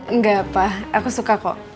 enggak pak aku suka kok